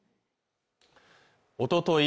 おととい